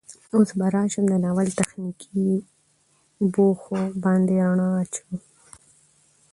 اوس به راشم د ناول تخنيکي بوخو باندې ړنا اچوم